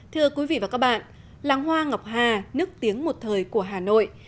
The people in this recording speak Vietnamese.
thưa quý vị và các bạn làng hoa ngọc hà nức tiếng một thời của hà nội